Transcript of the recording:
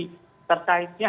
dan pemerintah terkaitnya